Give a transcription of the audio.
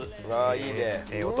いいね。